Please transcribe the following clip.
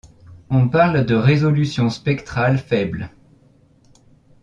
On parle de résolution spectrale faible.